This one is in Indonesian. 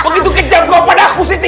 begitu kejam gua pada aku siti